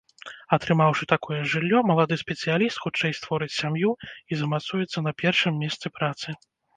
Атрымаўшы такое жыллё, малады спецыяліст хутчэй створыць сям'ю і замацуецца на першым месцы працы.